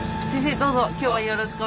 どうぞ今日はよろしくお願いします。